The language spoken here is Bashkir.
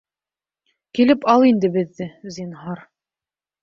Килеп ал инде беҙҙе, зинһар...